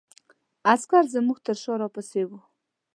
عسکر زموږ تر شا را پسې وو.